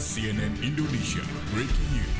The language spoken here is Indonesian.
cnn indonesia breaking news